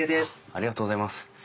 ありがとうございます。